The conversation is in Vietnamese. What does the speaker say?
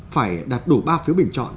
phải đạt đủ ba phiếu bình chọn